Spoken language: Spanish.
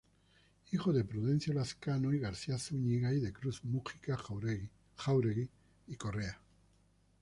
Hijo de Prudencio Lazcano y García Zúñiga y de Cruz Mujica Jáuregui y Correa.